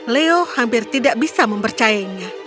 leo hampir tidak bisa mempercayainya